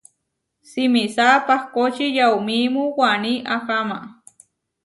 Simisá pahkóči yaumímu waní aháma.